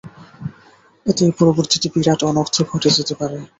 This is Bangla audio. এতে পরবর্তীতে বিরাট অনর্থ ঘটে যেতে পারে।